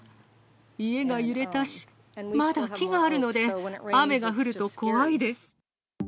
家が揺れたし、まだ木があるので、雨が降ると怖いです。